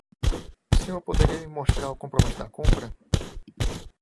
O senhor poderia me mostrar o comprovante da compra?